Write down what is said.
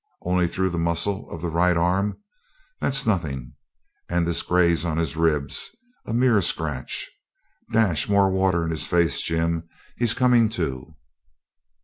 Only through the muscle of the right arm. That's nothing; and this graze on the ribs, a mere scratch. Dash more water in his face, Jim. He's coming to.'